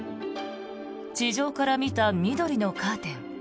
地上から見た緑のカーテン。